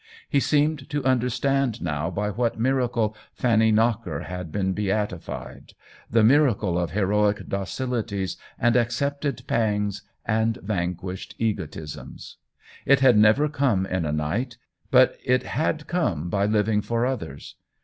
He seemed to understand now by what miracle Fanny Knocker had been beautified — the miracle of heroic docilities and accepted pangs and vanquished egotisms. It had never come in a night, but it had come by living for others.